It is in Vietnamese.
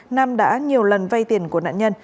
nam đã nhiều lần vay tiền của nạn nhân